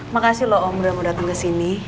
makasih loh om udah dateng kesini